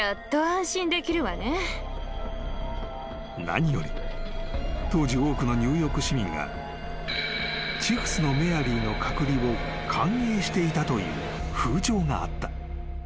［何より当時多くのニューヨーク市民がチフスのメアリーの隔離を歓迎していたという風潮があった］